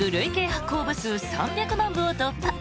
発行部数３００万部を突破！